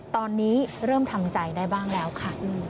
ตอนนี้เริ่มทำใจได้บ้างแล้วค่ะ